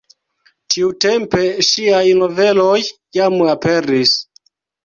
Tiutempe ŝiaj noveloj jam aperis.